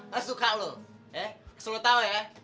gak suka lo eh kesel tau ya